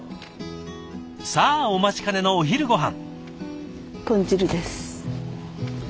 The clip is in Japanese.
さあお待ちかねのお昼ごはん。